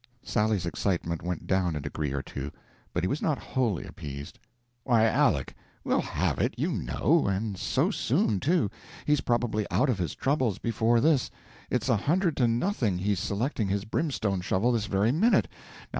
Sally's excitement went down a degree or two, but he was not wholly appeased. "Why, Aleck, we'll _have _it, you know and so soon, too. He's probably out of his troubles before this; it's a hundred to nothing he's selecting his brimstone shovel this very minute.